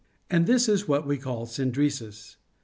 And this is what we call synderesis.